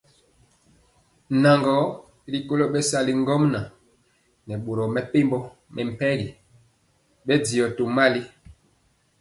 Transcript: Nan gɔ rikolo bɛsali ŋgomnaŋ nɛ boro mepempɔ mɛmpegi bɛndiɔ tomali.